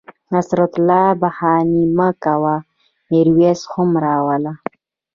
نصرت الله بهاني مه کوه میرویس هم را وله